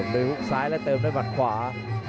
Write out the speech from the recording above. ลุงซ้ายแล้วเติมด้วยหมัดขวา